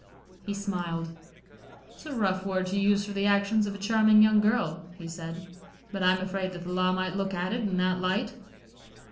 He smiled. "It's a rough word to use for the actions of a charming young girl," he said "but I'm afraid that the law might look at it in that light."